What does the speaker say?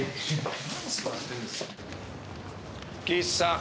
岸さん。